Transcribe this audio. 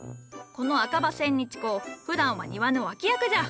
この赤葉千日紅ふだんは庭の脇役じゃ。